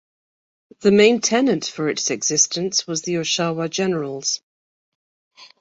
The main tenant for its existence was the Oshawa Generals.